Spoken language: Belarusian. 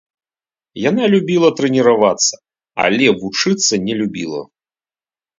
Яна любіла трэніравацца, але вучыцца не любіла.